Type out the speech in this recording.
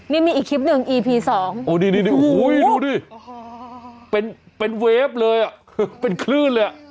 นี่มีอีกคลิปหนึ่งอีพีสองโอ้นี่ดูดิเป็นเวฟเลยอ่ะเป็นคลื่นเลยอ่ะ